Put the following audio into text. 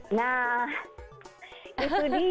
nah itu dia bener banget